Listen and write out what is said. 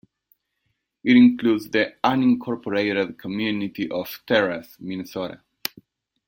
It includes the unincorporated community of Terrace, Minnesota.